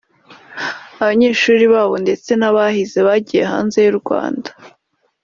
abanyeshuri baho ndetse n’abahize bagiye hanze y’u Rwanda